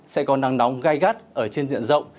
sẽ có nắng nóng gai gắt ở trên diện rộng